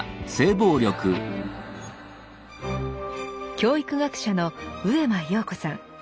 教育学者の上間陽子さん。